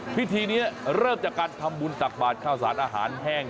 พิธีนี้เริ่มจากการทำบุญตักบาทข้าวสารอาหารแห้ง